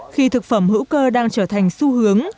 khi thực phẩm hữu cơ đang trở thành xu hướng